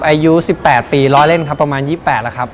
อายุสิบแปดปีร้อยเล่นครับประมาณยี่แปดแล้วครับ